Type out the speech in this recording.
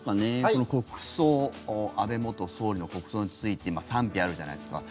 この国葬安倍元総理の国葬について今、賛否あるじゃないですか。